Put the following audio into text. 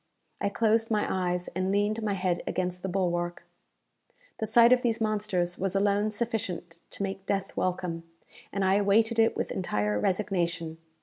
I closed my eyes, and leaned my head against the bulwark. The sight of these monsters was alone sufficient to make death welcome, and I awaited it with entire resignation.